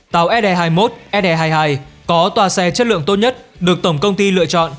tàu se hai mươi một se hai mươi hai có toa xe chất lượng tốt nhất được tổng công ty lựa chọn